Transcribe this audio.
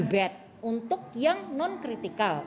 empat puluh tujuh bed untuk yang non kritikal